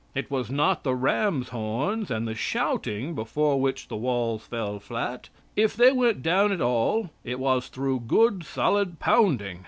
It was not the ram's horns and the shouting before which the walls fell flat. If they went down at all, it was through good solid pounding.